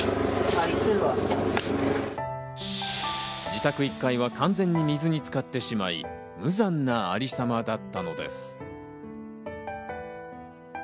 自宅１階は完全に水につかってしまい、無残なありさまだったのです。